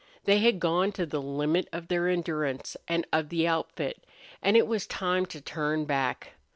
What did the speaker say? They had gone to the limit of their endurance and of the outfit, and it was time to turn back.